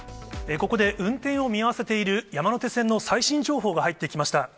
ここで運転を見合わせている、山手線の最新情報が入ってきました。